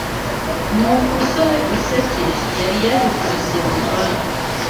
Numusore usekeje yari yabikubise mukanya